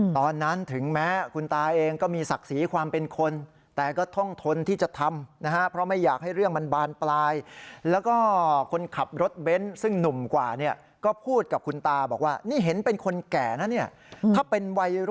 ตอนนั้นถึงแม้คุณตาเองก็มีศักดิ์สีความเป็นคน